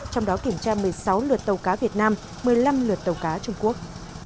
trong đó kiểm tra một mươi sáu lượt tàu cá việt nam một mươi năm lượt tàu cáo trung quốc